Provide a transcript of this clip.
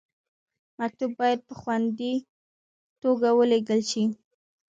مکتوب باید په خوندي توګه ولیږل شي.